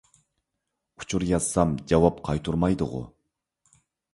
ئۇچۇر يازسام جاۋاب قايتۇرمايدىغۇ.